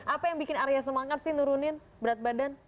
apa yang bikin arya semangat sih nurunin berat badan